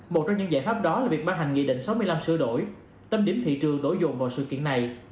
một trong những giải pháp đó là việc ban hành nghị định sáu mươi năm sửa đổi tâm điểm thị trường đổi dồn vào sự kiện này